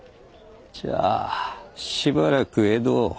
じゃあしばらく江戸を？